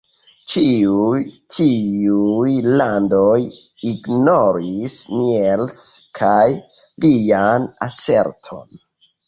Ĉiuj tiuj landoj ignoris Niels kaj lian aserton.